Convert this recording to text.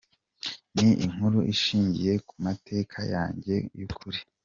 Ni inkuru ishingiye ku mateka yanjye y’ukuri.